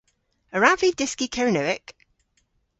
A wrav vy dyski Kernewek?